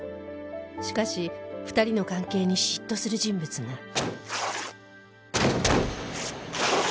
しかし２人の関係に嫉妬する人物が